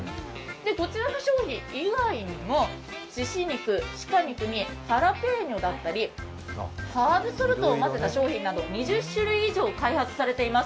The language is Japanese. こちらの商品以外にもしし肉、鹿肉にハラペーニョだったハーブソルトを混ぜた商品など２０種類以上開発されています、